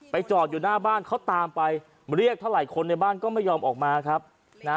ไปจอกอยู่หน้าบ้านเขาตามไปไม่เรียกเท่าหลายคน